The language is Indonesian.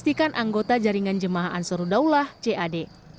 pastikan anggota jaringan jamaah ansaruddaullah cad